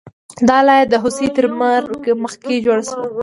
دا لایه د هوسۍ تر مرګ مخکې جوړه شوې وه